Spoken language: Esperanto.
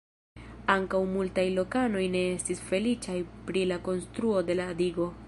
Ankaŭ multaj lokanoj ne estis feliĉaj pri la konstruo de la digo.